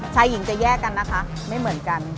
ชายหญิงจะแยกกันนะคะไม่เหมือนกัน